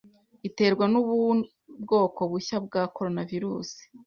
iterwa n'ubu bwoko bushya bwa coronavirus